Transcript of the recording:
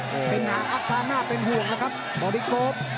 เป็นหาอักษราหน้าเป็นห่วงนะครับบอริกบ